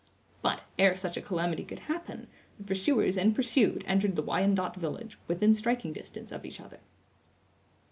But, ere such a calamity could happen, the pursuers and pursued entered the Wyandot village, within striking distance of each other.